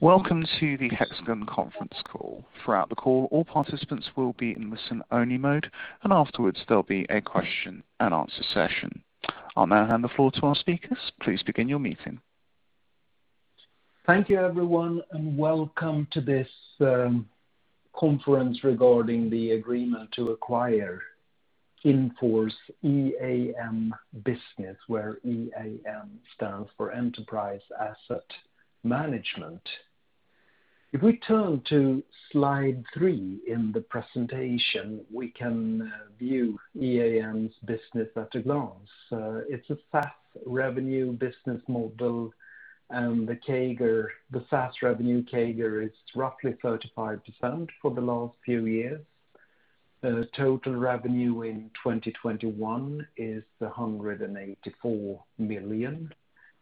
Welcome to the Hexagon conference call. Throughout the call, all participants will be in listen-only mode, and afterwards there'll be a question-and-answer session. I'll now hand the floor to our speakers. Thank you everyone, and welcome to this conference regarding the agreement to acquire Infor's EAM business, where EAM stands for enterprise asset management. If we turn to slide three in the presentation, we can view EAM's business at a glance. It's a SaaS revenue business model. The SaaS revenue CAGR is roughly 35% for the last few years. Total revenue in 2021 is 184 million.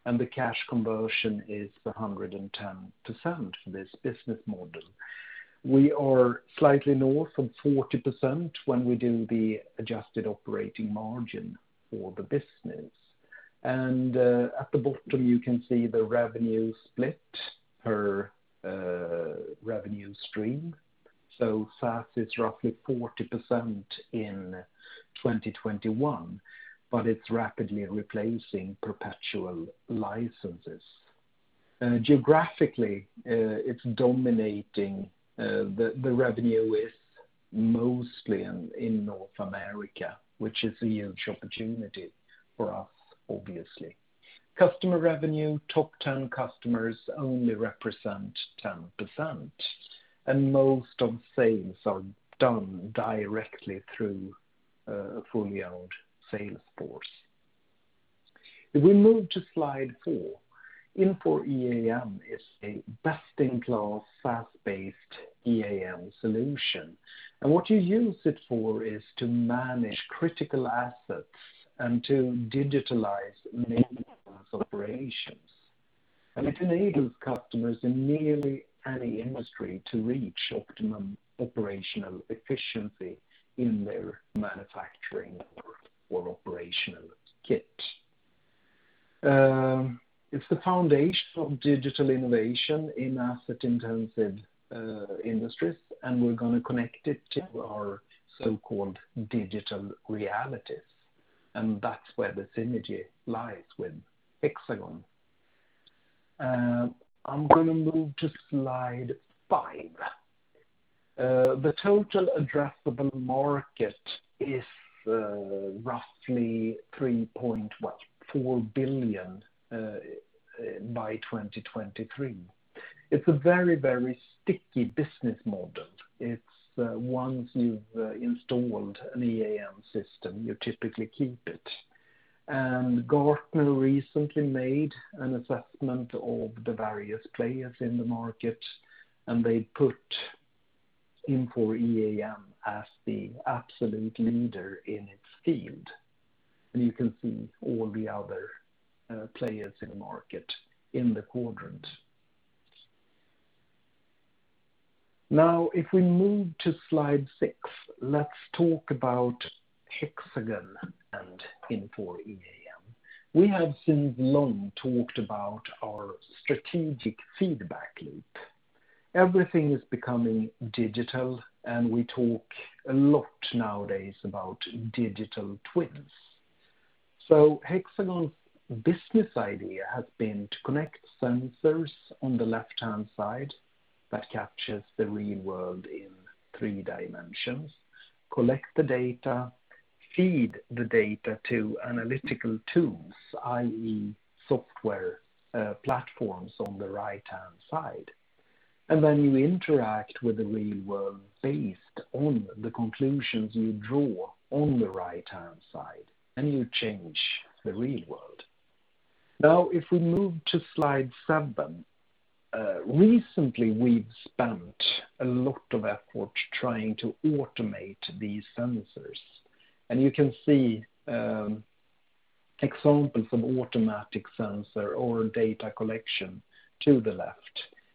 The cash conversion is 110% for this business model. We are slightly north of 40% when we do the adjusted operating margin for the business. At the bottom you can see the revenue split per revenue stream. SaaS is roughly 40% in 2021, but it's rapidly replacing perpetual licenses. Geographically, it's dominating. The revenue is mostly in North America, which is a huge opportunity for us obviously. Customer revenue, top 10 customers only represent 10%, most of sales are done directly through a fully owned sales force. If we move to slide four, Infor EAM is a best-in-class, SaaS-based EAM solution, what you use it for is to manage critical assets and to digitalize maintenance operations. It enables customers in nearly any industry to reach optimum operational efficiency in their manufacturing or operational kit. It's the foundation of digital innovation in asset-intensive industries, we're going to connect it to our so-called digital realities, that's where the synergy lies with Hexagon. I'm going to move to slide five. The total addressable market is roughly 3.4 billion by 2023. It's a very sticky business model. Once you've installed an EAM system, you typically keep it. Gartner recently made an assessment of the various players in the market, and they put Infor EAM as the absolute leader in its field. You can see all the other players in the market in the quadrant. If we move to slide six, let's talk about Hexagon and Infor EAM. We have since long talked about our strategic feedback loop. Everything is becoming digital, and we talk a lot nowadays about digital twins. Hexagon's business idea has been to connect sensors on the left-hand side that captures the real world in three dimensions, collect the data, feed the data to analytical tools, i.e. software platforms on the right-hand side. You interact with the real world based on the conclusions you draw on the right-hand side, and you change the real world. If we move to slide seven, recently we've spent a lot of effort trying to automate these sensors, and you can see examples of automatic sensor or data collection to the left.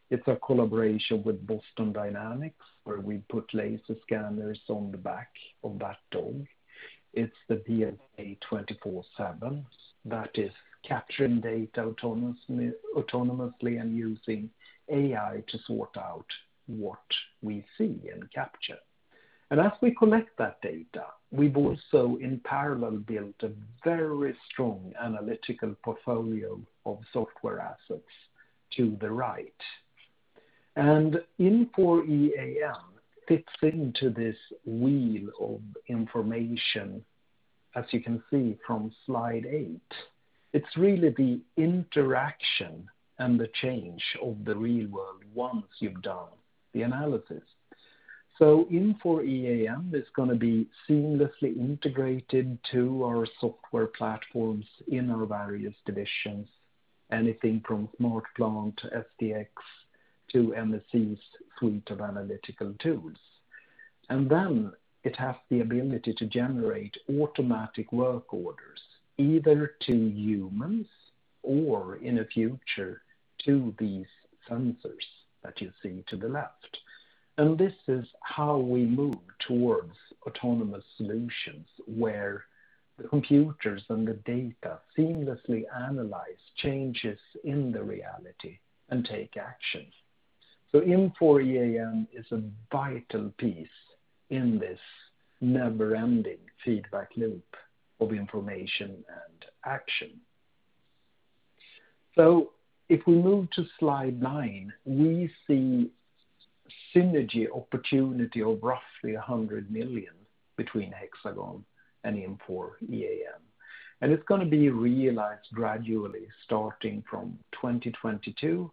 It's a collaboration with Boston Dynamics where we put laser scanners on the back of that dog. It's the BLK247 that is capturing data autonomously and using AI to sort out what we see and capture. As we collect that data, we've also in parallel built a very strong analytical portfolio of software assets to the right. Infor EAM fits into this wheel of information, as you can see from Slide 8. It's really the interaction and the change of the real world once you've done the analysis. Infor EAM is going to be seamlessly integrated to our software platforms in our various divisions, anything from SmartPlant to SDx to MSC's suite of analytical tools. It has the ability to generate automatic work orders, either to humans or in the future to these sensors that you see to the left. This is how we move towards autonomous solutions, where the computers and the data seamlessly analyze changes in the reality and take action. Infor EAM is a vital piece in this never-ending feedback loop of information and action. If we move to slide nine, we see synergy opportunity of roughly 100 million between Hexagon and Infor EAM, and it's going to be realized gradually starting from 2022,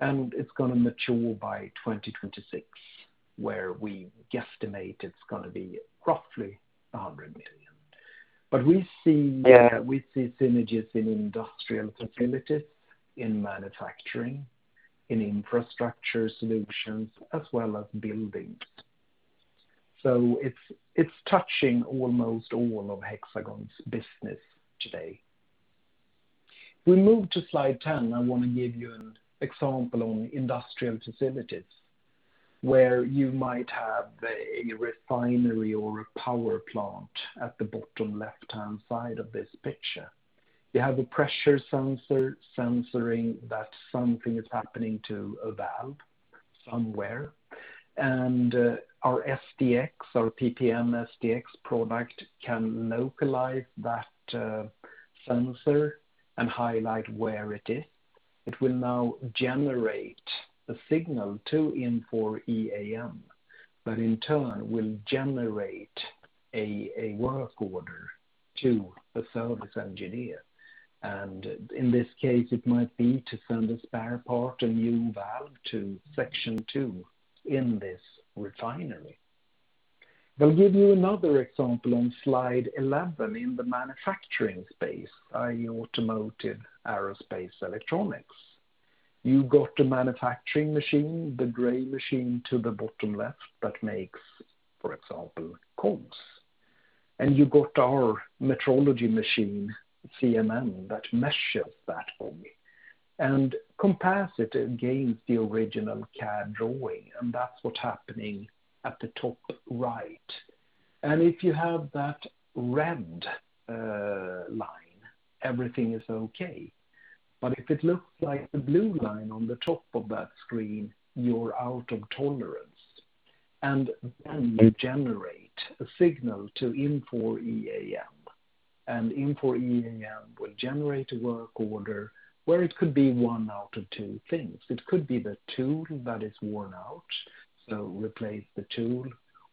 and it's going to mature by 2026, where we guesstimate it's going to be roughly 100 million. We see synergies in industrial facilities, in manufacturing, in infrastructure solutions, as well as buildings. It's touching almost all of Hexagon's business today. We move to slide 10. I want to give you an example on industrial facilities, where you might have a refinery or a power plant at the bottom left-hand side of this picture. You have a pressure sensor sensing that something is happening to a valve somewhere, and our SDx, our PPM SDx product, can localize that sensor and highlight where it is. It will now generate a signal to Infor EAM, that in turn will generate a work order to the service engineer. In this case, it might be to send a spare part, a new valve, to section 2 in this refinery. I'll give you another example on slide 11 in the manufacturing space, i.e., automotive, aerospace, electronics. You've got a manufacturing machine, the gray machine to the bottom left that makes, for example, cogs. You've got our metrology machine, CMM, that measures that for me and compares it against the original CAD drawing, and that's what's happening at the top right. If you have that red line, everything is okay. If it looks like the blue line on the top of that screen, you're out of tolerance. You generate a signal to Infor EAM, and Infor EAM will generate a work order where it could be one out of two things. It could be the tool that is worn out, so replace the tool,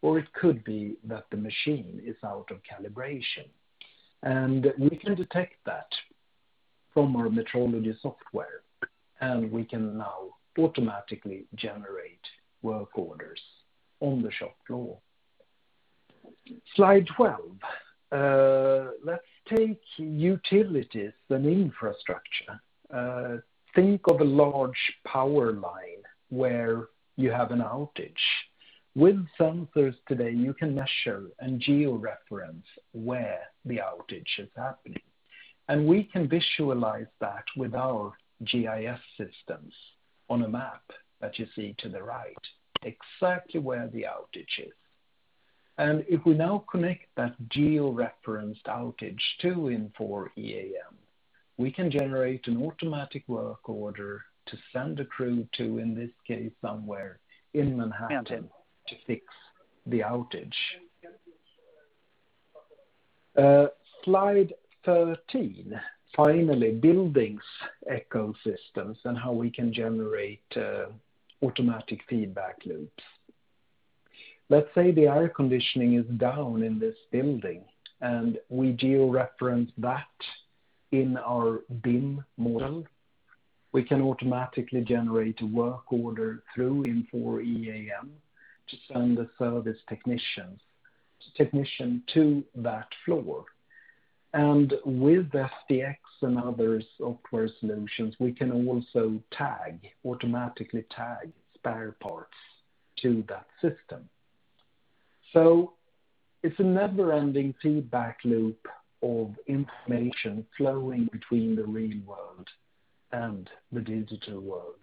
or it could be that the machine is out of calibration. We can detect that from our metrology software, and we can now automatically generate work orders on the shop floor. Slide 12. Let's take utilities and infrastructure. Think of a large power line where you have an outage. With sensors today, you can measure and geo-reference where the outage is happening, and we can visualize that with our GIS systems on a map that you see to the right exactly where the outage is. If we now connect that geo-referenced outage to Infor EAM, we can generate an automatic work order to send a crew to, in this case, somewhere in Manhattan to fix the outage. Slide 13. Finally, buildings ecosystems and how we can generate automatic feedback loops. Let's say the air conditioning is down in this building, and we geo-reference that in our BIM model. We can automatically generate a work order through Infor EAM to send the service technician to that floor. With SDx and other software solutions, we can also automatically tag spare parts to that system. It's a never-ending feedback loop of information flowing between the real world and the digital world.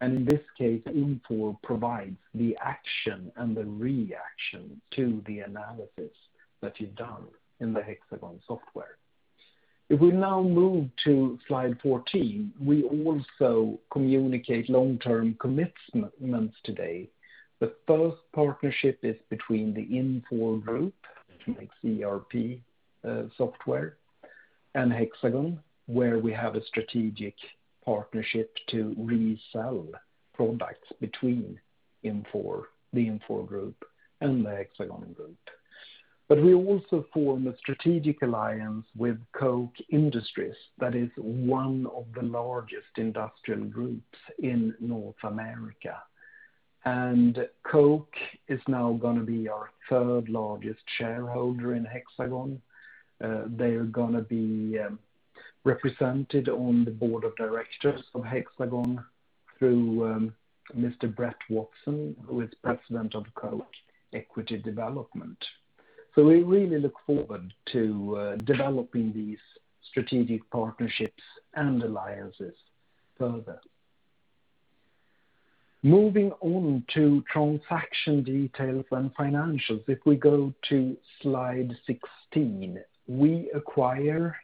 In this case, Infor provides the action and the reaction to the analysis that you've done in the Hexagon software. If we now move to slide 14, we also communicate long-term commitments today. The first partnership is between the Infor group, which makes ERP software, and Hexagon, where we have a strategic partnership to resell products between the Infor group and the Hexagon group. We also form a strategic alliance with Koch Industries, that is one of the largest industrial groups in North America. Koch is now going to be our third largest shareholder in Hexagon. They're going to be represented on the board of directors of Hexagon through Mr. Brett Watson, who is President of Koch Equity Development. We really look forward to developing these strategic partnerships and alliances further. Moving on to transaction details and financials. If we go to slide 16, we acquire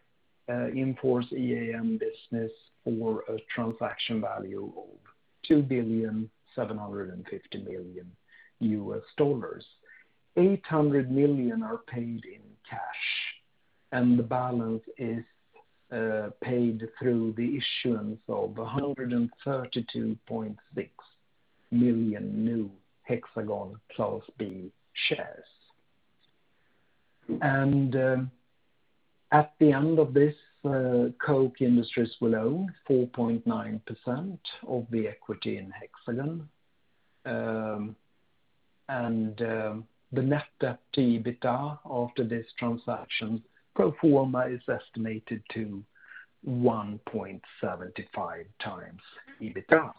Infor's EAM business for a transaction value of $2.750 million. $800 million are paid in cash and the balance is paid through the issuance of 132.6 million new Hexagon Class B shares. At the end of this, Koch Industries will own 4.9% of the equity in Hexagon. The net debt to EBITDA after this transaction pro forma is estimated to 1.75 times EBITDA.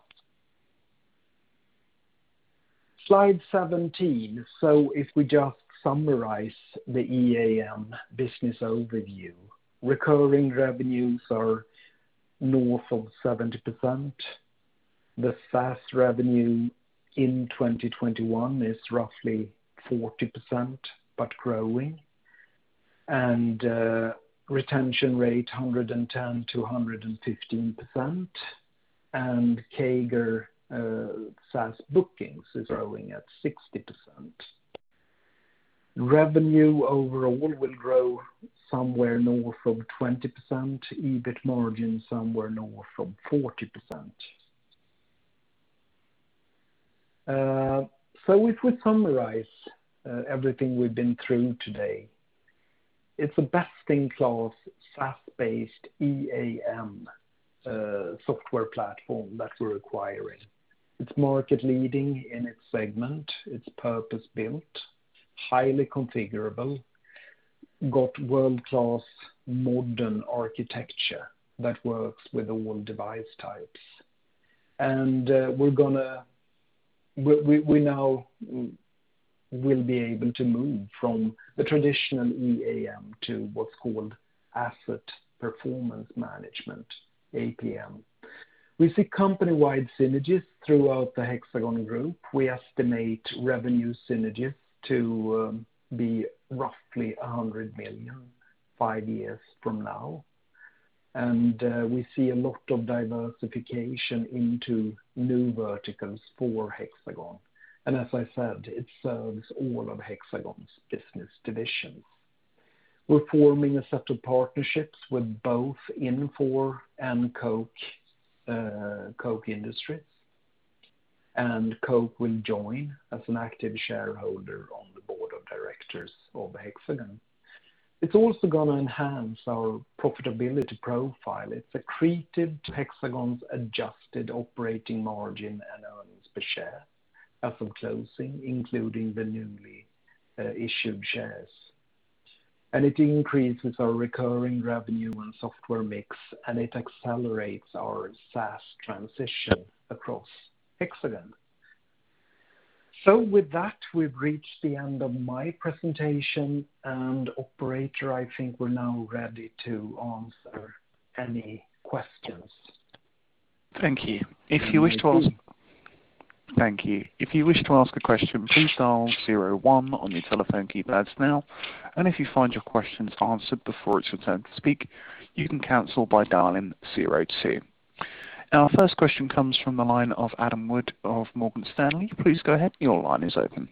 Slide 17. If we just summarize the EAM business overview, recurring revenues are north of 70%. The SaaS revenue in 2021 is roughly 40%, but growing, and retention rate 110% to 115%, and CAGR SaaS bookings is growing at 60%. Revenue overall will grow somewhere north of 20%, EBIT margin somewhere north of 40%. If we summarize everything we've been through today, it's a best-in-class, SaaS-based EAM software platform that we're acquiring. It's market leading in its segment. It's purpose-built, highly configurable, got world-class modern architecture that works with all device types. We now will be able to move from the traditional EAM to what's called asset performance management, APM. We see company-wide synergies throughout the Hexagon group. We estimate revenue synergies to be roughly 100 million five years from now, and we see a lot of diversification into new verticals for Hexagon. As I said, it serves all of Hexagon's business divisions. We're forming a set of partnerships with both Infor and Koch Industries, and Koch will join as an active shareholder on the Board of Directors of Hexagon. It's also going to enhance our profitability profile. It's accretive to Hexagon's adjusted operating margin and earnings per share as of closing, including the newly issued shares. It increases our recurring revenue and software mix, and it accelerates our SaaS transition across Hexagon. With that, we've reached the end of my presentation, and operator, I think we're now ready to answer any questions. Thank you. If you wish to ask a question, please dial zero one on your telephone keypads now, and if you find your questions answered before it's your turn to speak, you can cancel by dialing zero two. Our first question comes from the line of Adam Wood of Morgan Stanley. Please go ahead. Your line is open.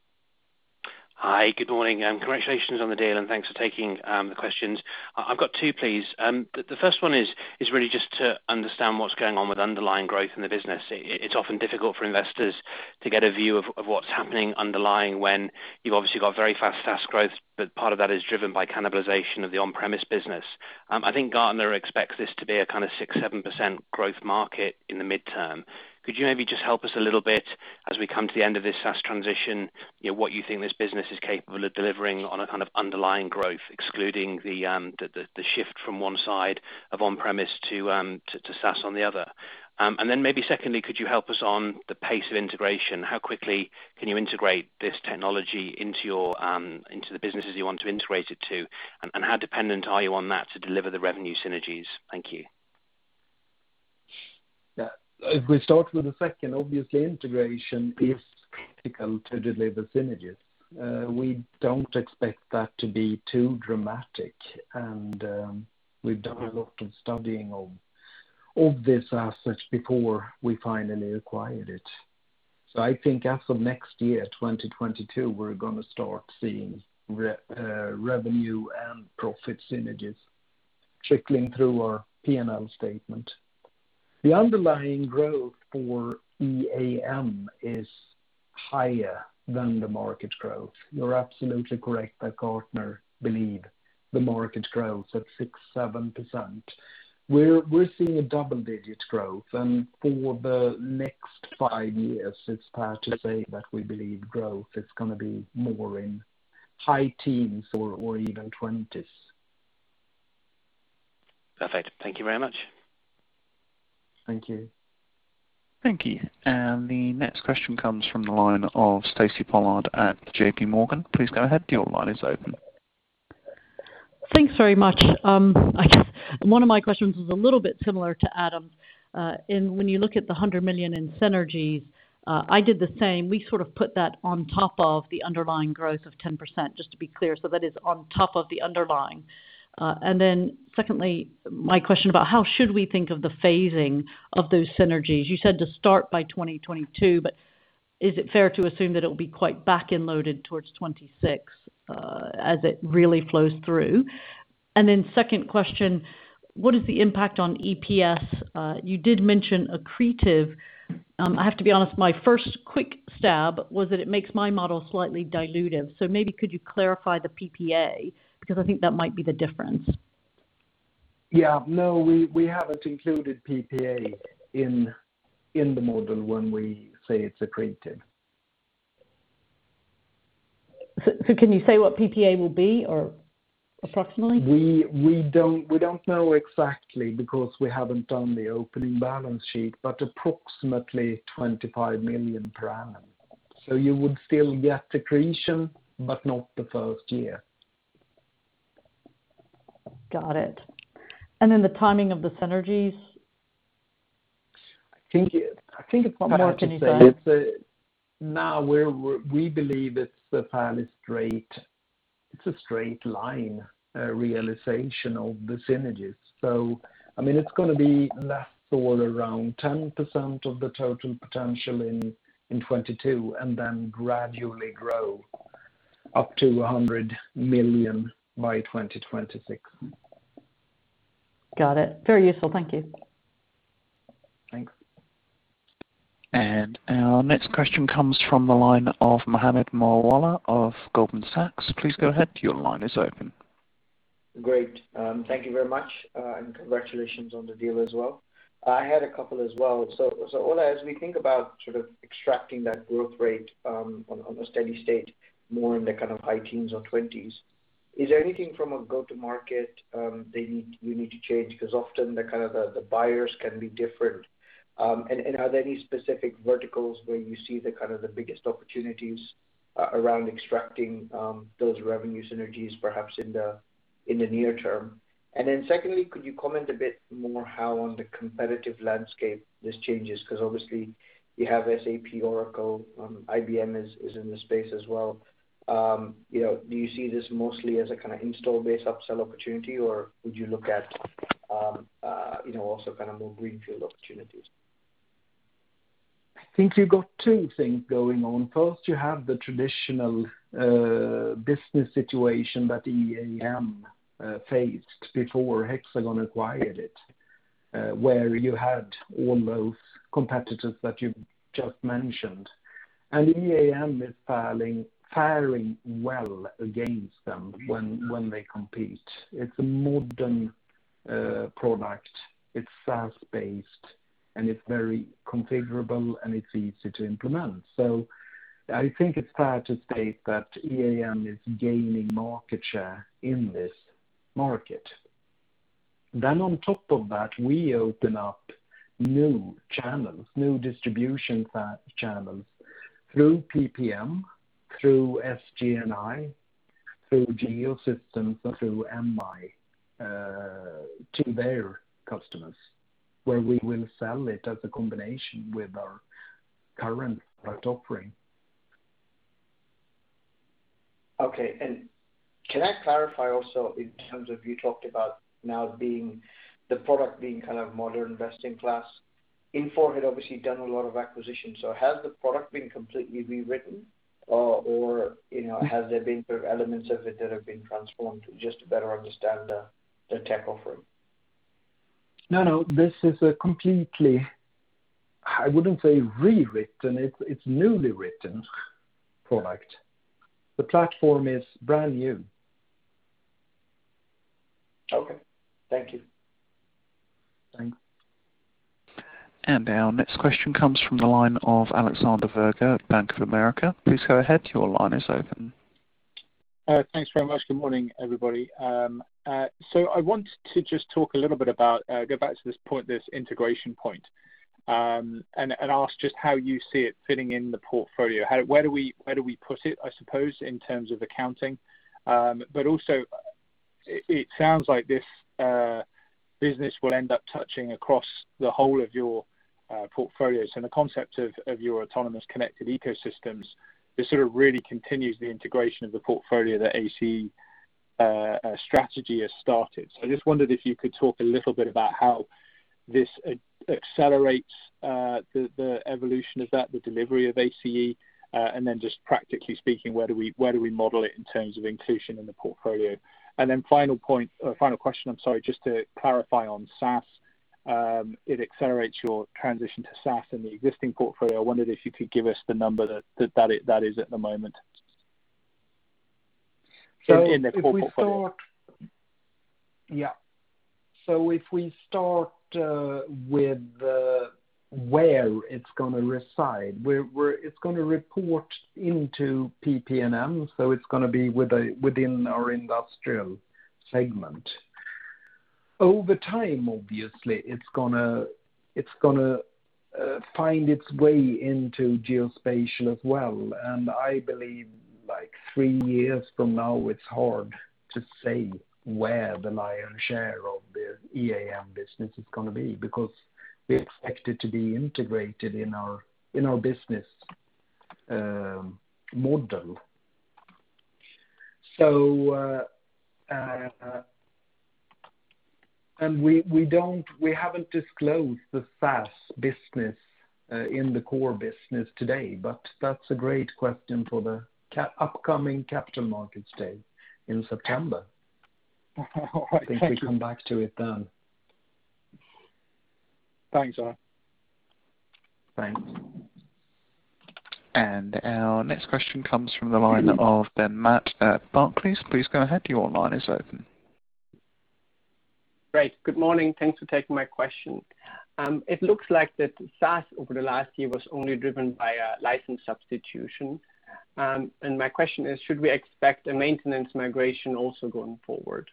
Hi, good morning, and congratulations on the deal and thanks for taking the questions. I've got two, please. The first one is really just to understand what's going on with underlying growth in the business. It's often difficult for investors to get a view of what's happening underlying when you've obviously got very fast SaaS growth, but part of that is driven by cannibalization of the on-premise business. I think Gartner expects this to be a kind of 6%-7% growth market in the midterm. Could you maybe just help us a little bit as we come to the end of this SaaS transition, what you think this business is capable of delivering on a kind of underlying growth, excluding the shift from one side of on-premise to SaaS on the other? Then maybe secondly, could you help us on the pace of integration? How quickly can you integrate this technology into the businesses you want to integrate it to, and how dependent are you on that to deliver the revenue synergies? Thank you. If we start with the second, obviously integration is critical to deliver synergies. We don't expect that to be too dramatic, and we've done a lot of studying of this asset before we finally acquired it. I think as of next year, 2022, we're going to start seeing revenue and profit synergies trickling through our P&L statement. The underlying growth for EAM is higher than the market growth. You're absolutely correct that Gartner believe the market growth of 6%, 7%. We're seeing a double-digit growth, and for the next five years, it's fair to say that we believe growth is going to be more in high teens or even 20s. Perfect. Thank you very much. Thank you. Thank you. The next question comes from the line of Stacy Pollard at JPMorgan. Please go ahead. Thanks very much. One of my questions was a little bit similar to Adam. When you look at the 100 million in synergies, I did the same. We sort of put that on top of the underlying growth of 10%, just to be clear. That is on top of the underlying. Secondly, my question about how should we think of the phasing of those synergies. You said to start by 2022, but is it fair to assume that it'll be quite back-end loaded towards 2026, as it really flows through? Second question, what is the impact on EPS? You did mention accretive. I have to be honest, my first quick stab was that it makes my model slightly dilutive. Maybe could you clarify the PPA, because I think that might be the difference. No, we haven't included PPA in the model when we say it's accretive. Can you say what PPA will be approximately? We don't know exactly because we haven't done the opening balance sheet, but approximately 25 million per annum. You would still get accretion, but not the first year. Got it. The timing of the synergies? I think what I would say is that now we believe it's a fairly straight line realization of the synergies. It's going to be less all around 10% of the total potential in 2022 and then gradually grow up to 100 million by 2026. Got it. Very useful. Thank you. Thanks. Our next question comes from the line of Mohammed Moawalla of Goldman Sachs. Please go ahead. Your line is open. Great. Thank you very much, and congratulations on the deal as well. I had a couple as well. Ola, as we think about sort of extracting that growth rate on a more steady state, more in the kind of high teens or twenties, is there anything from a go-to-market that you need to change? Often the buyers can be different. Are there any specific verticals where you see the biggest opportunities around extracting those revenue synergies perhaps in the near term? Secondly, could you comment a bit more how on the competitive landscape this changes? Obviously you have SAP, Oracle, IBM is in the space as well. Do you see this mostly as a kind of install-based upsell opportunity, or would you look at also kind of more greenfield opportunities? I think you've got two things going on. First, you have the traditional business situation that EAM faced before Hexagon acquired it, where you had all those competitors that you've just mentioned. EAM is faring well against them when they compete. It's a modern product, it's SaaS-based, and it's very configurable, and it's easy to implement. I think it's fair to say that EAM is gaining market share in this market. On top of that, we open up new channels, new distribution channels through PPM, through SG&I, through Geosystems, and through MI to their customers, where we will sell it as a combination with our current product offering. Okay. Can I clarify also in terms of, you talked about now the product being kind of modern best-in-class. Infor had obviously done a lot of acquisitions, so has the product been completely rewritten? Has there been elements of it that have been transformed just to better understand the tech offering? No, this is a completely, I wouldn't say rewritten, it's a newly written product. The platform is brand new. Okay. Thank you. Thanks. Our next question comes from the line of Alexander Virgo at Bank of America. Please go ahead. Your line is open. Thanks very much. Good morning, everybody. I wanted to just talk a little bit about, go back to this point, this integration point, and ask just how you see it fitting in the portfolio. Where do we put it, I suppose, in terms of accounting? Also, it sounds like this business will end up touching across the whole of your portfolio. The concept of your autonomous connected ecosystems, this sort of really continues the integration of the portfolio that ACE strategy has started. I just wondered if you could talk a little bit about how this accelerates the evolution of that, the delivery of ACE, and then just practically speaking, where do we model it in terms of inclusion in the portfolio? Final question, I'm sorry, just to clarify on SaaS. It accelerates your transition to SaaS in the existing portfolio. I wondered if you could give us the number that is at the moment in the full portfolio. Yeah. If we start with where it's going to reside. It's going to report into PPM, so it's going to be within our industrial segment. Over time, obviously, it's going to find its way into geospatial as well. I believe three years from now, it's hard to say where the lion's share of the EAM business is going to be because we expect it to be integrated in our business model. We haven't disclosed the SaaS business in the core business today, but that's a great question for the upcoming Capital Markets Day in September. Okay. I think we come back to it then. Thanks. Thanks. Our next question comes from the line of [Matt Buck]. Please go ahead. Your line is open. Great. Good morning. Thanks for taking my question. It looks like the SaaS over the last year was only driven by a license substitution. My question is, should we expect a maintenance migration also going forward?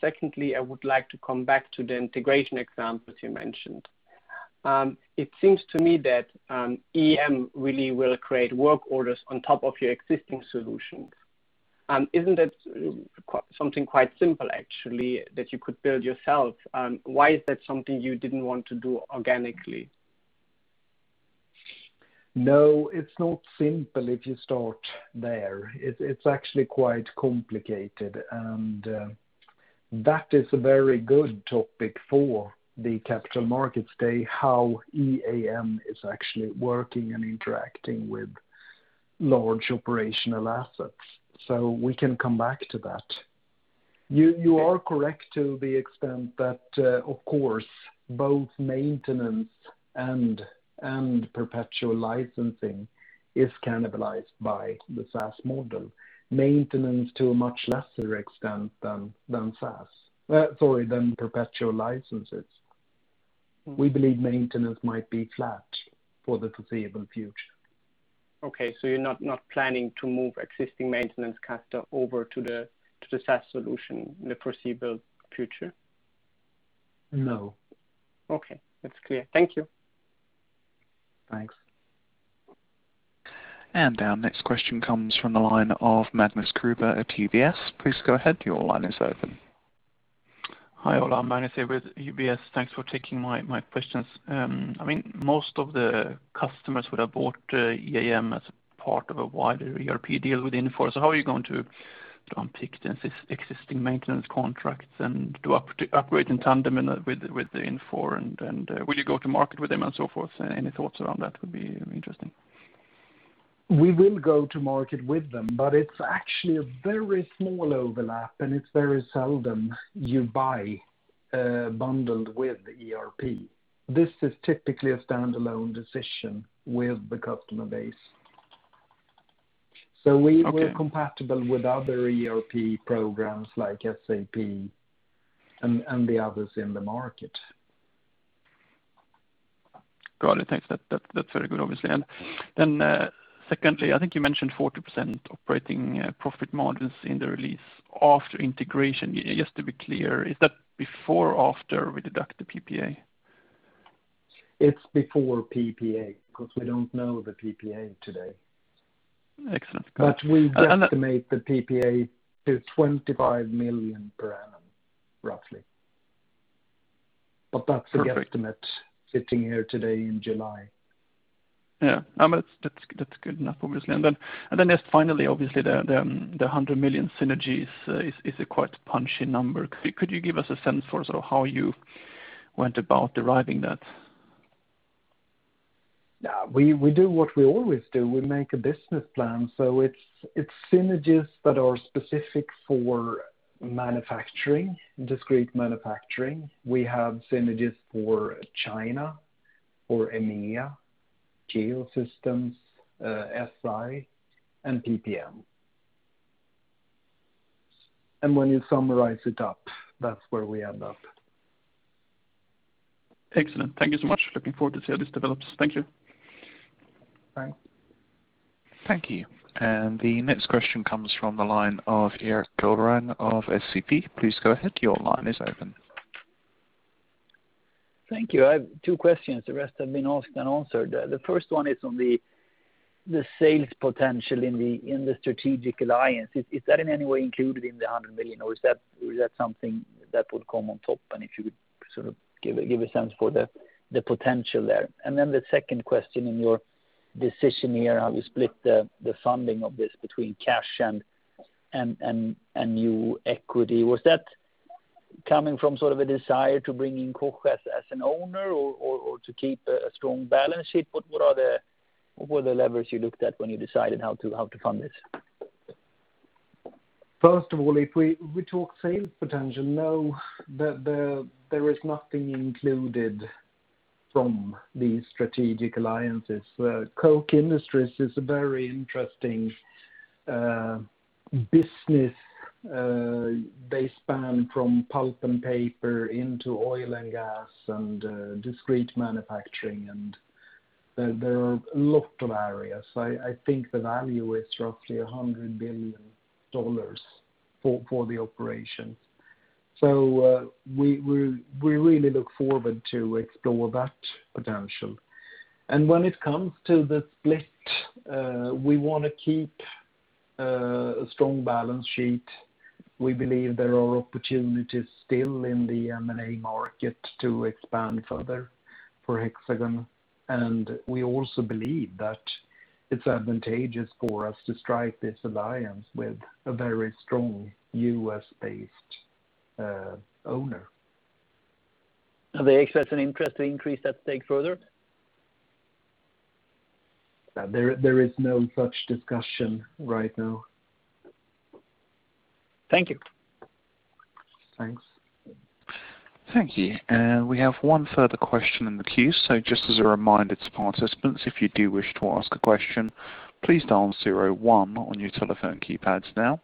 Secondly, I would like to come back to the integration examples you mentioned. It seems to me that EAM really will create work orders on top of your existing solutions. Isn't that something quite simple, actually, that you could build yourself? Why is that something you didn't want to do organically? No, it's not simple if you start there. It's actually quite complicated. That is a very good topic for the Capital Markets Day, how EAM is actually working and interacting with large operational assets. We can come back to that. You are correct to the extent that, of course, both maintenance and perpetual licensing is cannibalized by the SaaS model. Maintenance to a much lesser extent than perpetual licenses. We believe maintenance might be flat for the foreseeable future. Okay. You're not planning to move existing maintenance capital over to the SaaS solution in the foreseeable future? No. Okay. That's clear. Thank you. Thanks. Our next question comes from the line of Magnus Kruber at UBS. Please go ahead. Your line is open. Hi, Ola. Magnus here with UBS. Thanks for taking my questions. Most of the customers would have bought EAM as part of a wider ERP deal with Infor. How are you going to unpick the existing maintenance contracts and operate in tandem with Infor and will you go to market with them and so forth? Any thoughts around that would be interesting. We will go to market with them, but it's actually a very small overlap, and it's very seldom you buy bundled with ERP. This is typically a standalone decision with the customer base. Okay. We're compatible with other ERP programs like SAP and the others in the market. Got it. Thanks. That's very good, obviously. Secondly, I think you mentioned 40% operating profit margins in the release after integration. Just to be clear, is that before or after we deduct the PPA? It's before PPA because we don't know the PPA today. Excellent. We estimate the PPA to 52 million per annum, roughly. Perfect. That's the estimate sitting here today in July. Yeah. No, that's good enough, obviously. Just finally, obviously, the 100 million synergies is a quite punchy number. Could you give us a sense for how you went about deriving that? We do what we always do. We make a business plan. It's synergies that are specific for discrete manufacturing. We have synergies for China, for EMEA, Geosystems, S&I, and PPM. When you summarize it up, that's where we end up. Excellent. Thank you so much. Looking forward to see how this develops. Thank you. Bye. Thank you. The next question comes from the line of Erik Golrang of SEB. Please go ahead. Your line is open. Thank you. I have two questions. The rest have been asked and answered. The first one is on the sales potential in the strategic alliance. Is that in any way included in the 100 million, or is that something that would come on top? If you would give a sense for the potential there. The second question, in your decision here, how you split the funding of this between cash and new equity. Was that coming from a desire to bring in Koch as an owner or to keep a strong balance sheet? What were the levers you looked at when you decided how to fund this? First of all, if we talk sales potential, know that there is nothing included from these strategic alliances. Koch Industries is a very interesting business, they span from pulp and paper into oil and gas and discrete manufacturing, there are a lot of areas. I think the value is roughly EUR 100 billion for the operation. We really look forward to explore that potential. When it comes to the split, we want to keep a strong balance sheet. We believe there are opportunities still in the M&A market to expand further for Hexagon. We also believe that it's advantageous for us to strike this alliance with a very strong U.S.-based owner. Have they expressed an interest to increase that stake further? There is no such discussion right now. Thank you. Thanks. Thank you. We have one further question in the queue. Just as a reminder to participants, if you do wish to ask a question, please dial zero one on your telephone keypads now.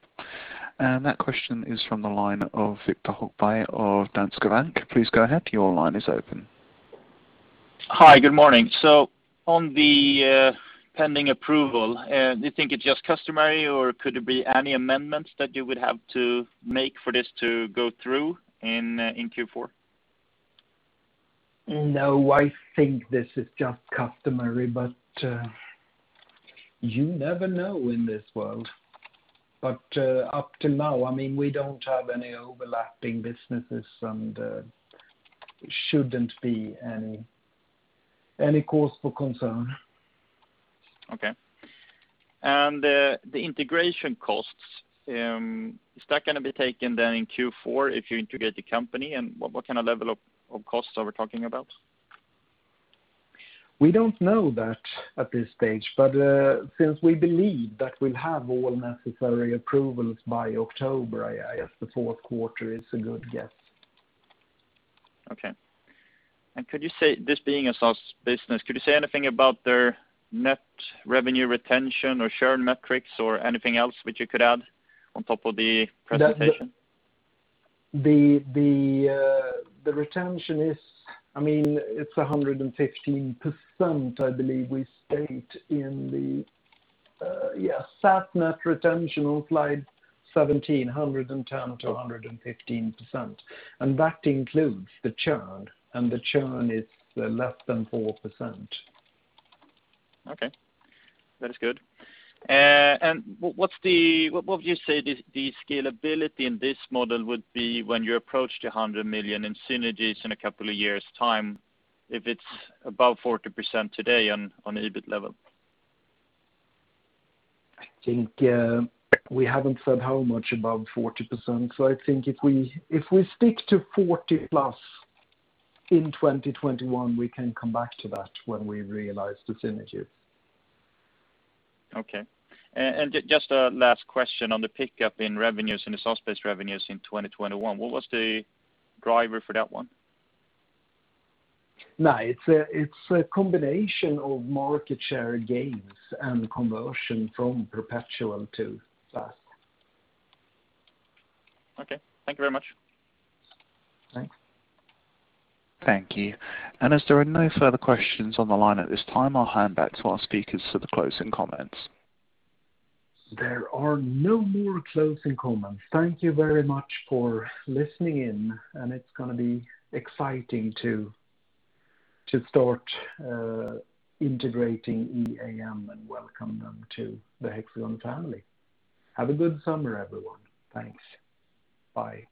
That question is from the line of Viktor Högberg of Danske Bank. Please go ahead. Your line is open. Hi, good morning. On the pending approval, do you think it's just customary or could there be any amendments that you would have to make for this to go through in Q4? No, I think this is just customary, but you never know in this world. Up till now, we don't have any overlapping businesses and there shouldn't be any cause for concern. Okay. The integration costs, is that going to be taken then in Q4 if you integrate the company? What kind of level of costs are we talking about? We don't know that at this stage, but since we believe that we'll have all necessary approvals by October, I guess the fourth quarter is a good guess. Okay. This being a SaaS business, could you say anything about their net revenue retention or churn metrics or anything else which you could add on top of the presentation? The retention is 115%, I believe we state in the yeah, SaaS net retention on slide 17, 110%-115%. That includes the churn, and the churn is less than 4%. Okay. That is good. What would you say the scalability in this model would be when you approach the 100 million in synergies in a couple of years' time if it's above 40% today on EBIT level? I think we haven't said how much above 40%, so I think if we stick to 40-plus in 2021, we can come back to that when we realize the synergies. Okay. Just a last question on the pickup in revenues, in the SaaS-based revenues in 2021. What was the driver for that one? It's a combination of market share gains and conversion from perpetual to SaaS. Okay. Thank you very much. Thanks. Thank you. As there are no further questions on the line at this time, I'll hand back to our speakers for the closing comments. There are no more closing comments. Thank you very much for listening in, and it's going to be exciting to start integrating EAM and welcome them to the Hexagon family. Have a good summer, everyone. Thanks. Bye.